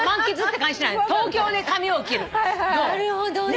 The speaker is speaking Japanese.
なるほどね。